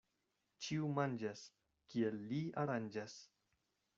Ĉiu manĝas, kiel li aranĝas.